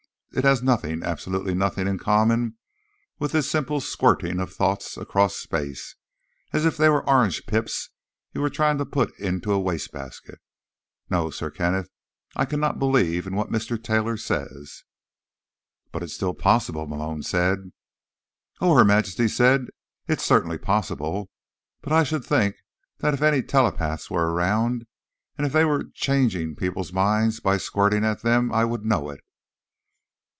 It has nothing, absolutely nothing, in common with this simple 'squirting' of thoughts across space, as if they were orange pips you were trying to put into a wastebasket. No, Sir Kenneth, I cannot believe in what Mr. Taylor says." "But it's still possible," Malone said. "Oh," Her Majesty said, "it's certainly possible. But I should think that if any telepaths were around, and if they were changing people's minds by 'squirting' at them, I would know it."